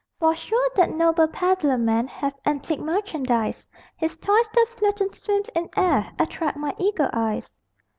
For sure that noble peddler man Hath antic merchandise: His toys that float and swim in air Attract my eager eyes.